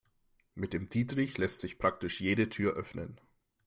Mit dem Dietrich lässt sich praktisch jede Tür öffnen.